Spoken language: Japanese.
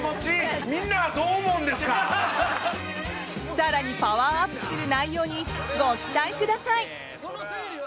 更にパワーアップする内容にご期待ください！